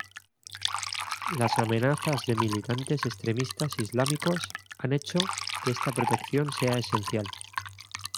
Las amenazas de militantes extremistas islámicos han hecho que esta protección sea esencial.